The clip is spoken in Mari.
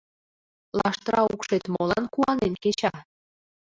Лаштыра укшет молан куанен кеча?